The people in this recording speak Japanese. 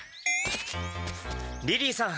リリーさん！